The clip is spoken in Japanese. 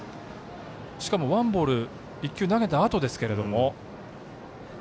しかも、ワンボール１球投げたあとですけれども。